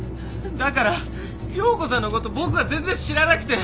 だから葉子さんのこと僕は全然知らなくて。